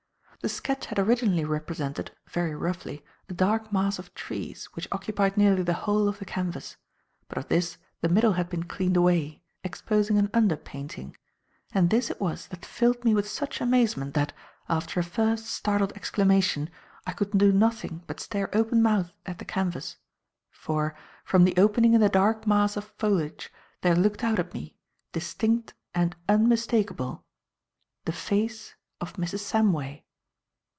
The sketch had originally represented, very roughly, a dark mass of trees which occupied nearly the whole of the canvas; but of this the middle had been cleaned away, exposing an under painting. And this it was that filled me with such amazement that, after a first startled exclamation, I could do nothing but stare open mouthed at the canvas; for, from the opening in the dark mass of foliage there looked out at me, distinct and unmistakable, the face of Mrs. Samway.